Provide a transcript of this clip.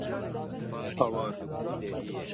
Hawar!